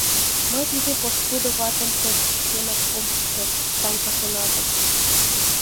«Мый тиде пошкудо ватым пӧртышкемат ом пурто, — Санька шоналтыш.